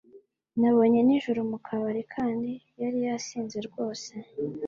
Namubonye nijoro mu kabari kandi yari yasinze rwose.